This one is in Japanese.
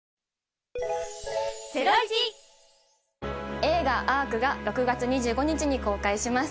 映画『Ａｒｃアーク』が６月２５日に公開します。